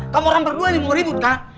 kamu orang berdua ini mau ribut kan